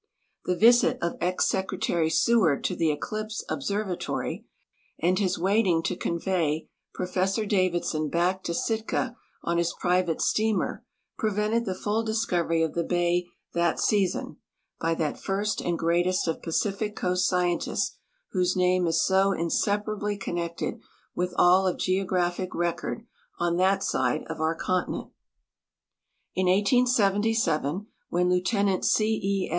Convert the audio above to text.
The visit of ex Secretary Seward to the eclipse ol)servatory ami his waiting to convey Professor Davidson hack to Sitka on his private steamer prevented the full discovery of the hay that season hy that first and greatest of Pacific coast scientists whose name is so inseparably connected with all of geo graphic record on that side of our continent. In 1S77, when Lieutenant C. F.